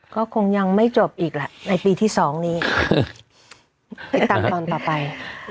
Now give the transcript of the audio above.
ก็คงยังไม่จบอีกแหละในปีที่๒นี้ตามตอนต่อไป